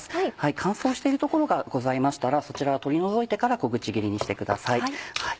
乾燥しているところがございましたらそちらは取り除いてから小口切りにしてください。